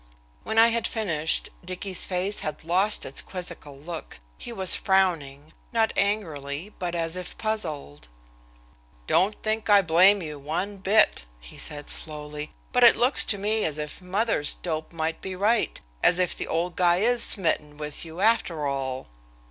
When I had finished, Dicky's face had lost its quizzical look. He was frowning, not angrily, but as if puzzled. "Don't think I blame you one bit," he said slowly; "but it looks to me as if mother's dope might be right, as if the old guy is smitten with you after all."